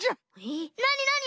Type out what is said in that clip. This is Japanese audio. なになに？